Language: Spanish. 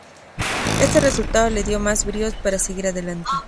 Este resultado le dio más bríos para seguir adelante.